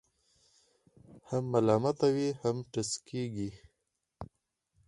هم ملامته وي، هم ټسکېږي.